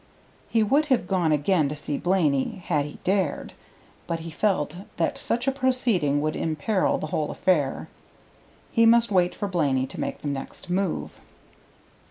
He would have gone again to see Blaney had he dared, but he felt that such a proceeding would imperil the whole affair; he must wait for Blaney to make the next move.